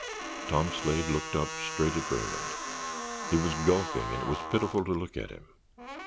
Tom Slade looked up, straight at Raymond. He was gulping and it was pitiful to look at him.